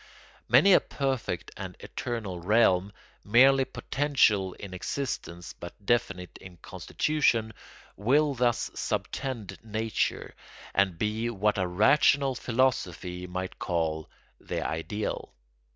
Many a perfect and eternal realm, merely potential in existence but definite in constitution, will thus subtend nature and be what a rational philosophy might call the ideal.